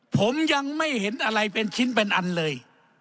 ผมยังไม่เห็นอะไรเป็นชิ้นเป็นอันเลย